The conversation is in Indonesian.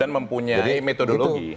dan mempunyai metodologi